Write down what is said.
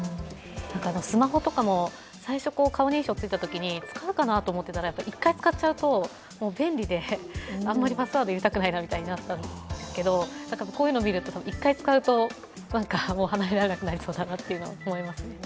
スマホも最初顔認証ついたときに使うかなと思ったんですけど１回使っちゃうと便利で、あまりパスワード入れたくないなってなったんですけどこういうのを見ると、１回使うと、離れられなくなりそうだなと思います。